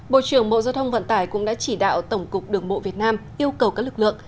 bộ trưởng bộ giao thông vận tải cũng đã chỉ đạo tổng cục đường bộ việt nam yêu cầu các lực lượng